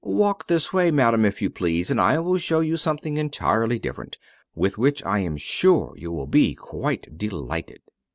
"Walk this way, madam, if you please, and I will show you something entirely different, with which I am sure you will be quite delighted."